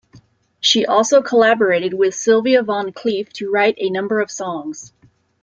She also collaborated with Sylvia Van Clief to write a number of songs.